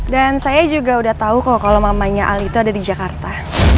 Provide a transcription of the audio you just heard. dan saya juga udah tahu kok kalau mamanya al itu ada di jakarta